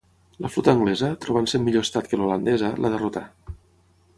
La flota anglesa, trobant-se en millor estat que l'holandesa, la derrotà.